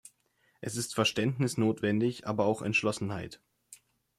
Es ist Verständnis notwendig, aber auch Entschlossenheit.